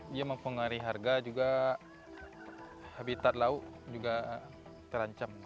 dia mampu mengarih harga juga habitat lauk juga terancam